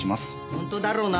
本当だろうな！